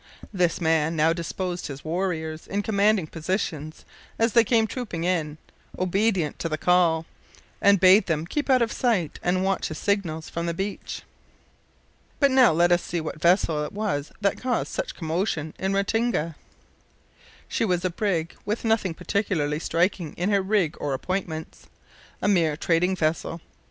This man now disposed his warriors in commanding positions as they came trooping in, obedient to the call, and bade them keep out of sight and watch his signals from the beach. But now let us see what vessel it was that caused such commotion in Ratinga. She was a brig, with nothing particularly striking in her rig or appointments a mere trading vessel.